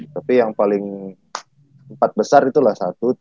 tapi yang paling empat besar itulah satu dua tiga tujuh